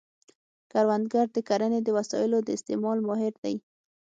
کروندګر د کرنې د وسایلو د استعمال ماهر دی